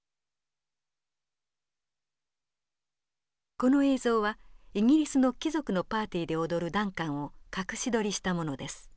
この映像はイギリスの貴族のパーティーで踊るダンカンを隠し撮りしたものです。